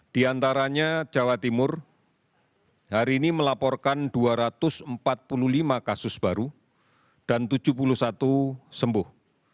di antaranya jawa timur hari ini melaporkan dua ratus empat puluh lima kasus baru dan tujuh puluh satu sembuh